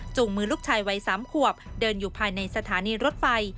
มือลูกชายวัย๓ขวบเดินอยู่ภายในสถานีรถไฟ